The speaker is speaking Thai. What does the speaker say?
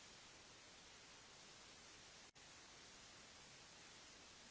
เมื่อเวลาอันดับสุดท้ายมันกลายเป็นภูมิที่สุดท้าย